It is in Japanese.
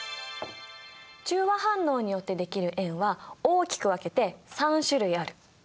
中和反応によってできる塩は大きく分けて３種類ある。